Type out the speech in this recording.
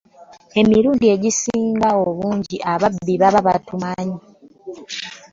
Emirundi egisinga obungi ababbi baba batumanyi.